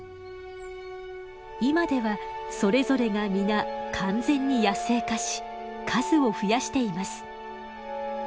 今ではそれぞれが皆完全に野生化し数を増やしています。